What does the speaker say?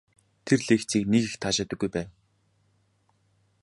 Тэр лекцийг нэг их таашаадаггүй байв.